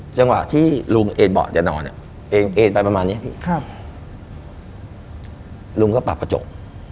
จังหวะที่ลุงเอ็นบอสเดี๋ยวนอนเนี่ยเอ็นไปประมาณนี้ครับลุงก็ปรับกระจก